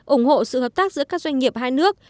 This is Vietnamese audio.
ủng hộ sự hợp tác giữa các doanh nghiệp hai nước